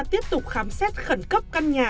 tiếp tục khám xét khẩn cấp căn nhà